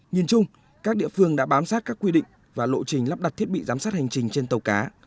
nhìn chung các địa phương đã bám sát các quy định và lộ trình lắp đặt thiết bị giám sát hành trình trên tàu cá